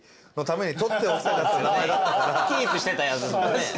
キープしてたやつですもんね。